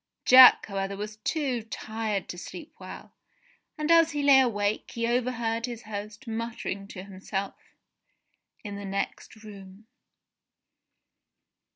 Jack, however, was too tired to sleep well, and as he lay awake, he overheard his host muttering to himself in the next room.